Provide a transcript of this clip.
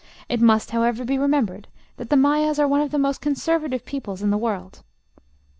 It must, however, be remembered that the Mayas are one of the most conservative peoples in the world.